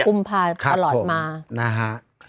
คุมภาพตลอดมา